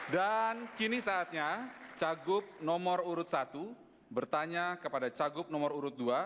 dan kini saatnya cagup nomor urut satu bertanya kepada cagup nomor urut dua